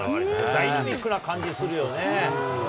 ダイナミックな感じするよね。